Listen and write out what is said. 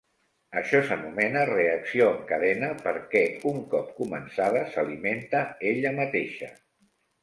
Això s'anomena reacció en cadena, perquè un cop començada s'alimenta ella mateixa.